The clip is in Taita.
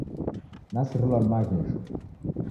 Nasirilwa ni maghesho